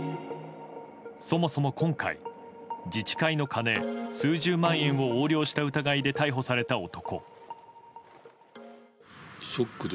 そもそも今回自治会の金、数十万円を横領した疑いで逮捕された男。